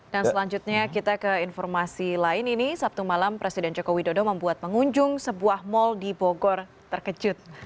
dan selanjutnya kita ke informasi lain ini sabtu malam presiden jokowi dodo membuat pengunjung sebuah mal di bogor terkejut